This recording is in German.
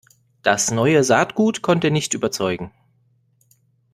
Das neue Saatgut konnte nicht überzeugen.